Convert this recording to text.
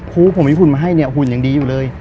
ครูผมมีหุ่นมาให้เนี่ยหุ่นยังดีอยู่เลย